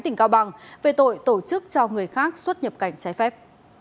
tỉnh cao bằng về tội tổ chức cho người khác xuất nhập cảnh trái phép